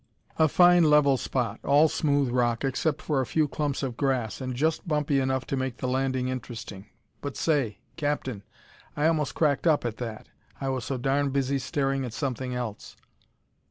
"A fine level spot, all smooth rock, except for a few clumps of grass, and just bumpy enough to make the landing interesting. But, say, Captain! I almost cracked up at that, I was so darn busy staring at something else.